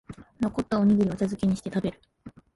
残ったおにぎりをお茶づけにして食べる